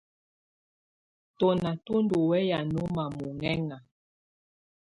Tɔ̀nà tù ndù wɛya nɔma muhɛna.